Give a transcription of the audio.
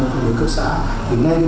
phân biến cấp xã thì ngay từ